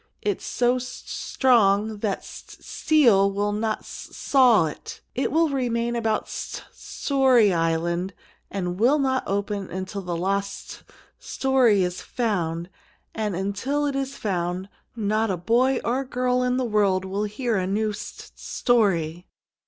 "It's so s strong that s steel will not s saw it. It will remain about St Story Island, and will not open until the lost st story is found; and until it is found not a boy or girl in the world will hear a new st story!"